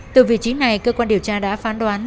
từ vị trí này cơ quan điều tra đã phán đoán